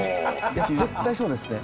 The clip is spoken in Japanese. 絶対そうですね。